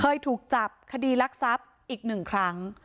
เคยถูกจับคดีรักทรัพย์อีกหนึ่งครั้ง